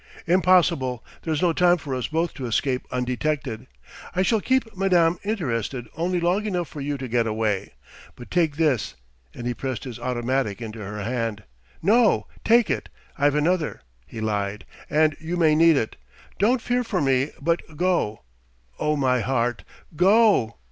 "Impossible: there's no time for us both to escape undetected. I shall keep madame interested only long enough for you to get away. But take this" and he pressed his automatic into her hand. "No take it; I've another," he lied, "and you may need it. Don't fear for me, but go O my heart! go!"